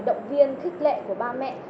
động viên thích lệ của ba mẹ